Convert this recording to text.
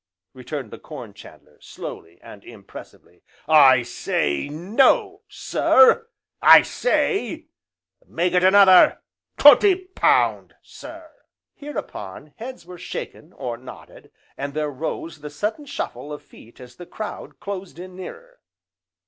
returned the Corn chandler, slowly, and impressively, "I say no, sir, I say make it another twenty pound, sir!" Hereupon heads were shaken, or nodded, and there rose the sudden shuffle of feet as the crowd closed in nearer.